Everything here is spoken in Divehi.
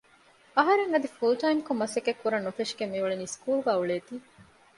އަހަރެން އަދި ފުލް ޓައިމްކޮށް މަސައްކަތްކުރަން ނުފެށިގެން މިއުޅެނީ ސްކޫލުގައި އުޅޭތީ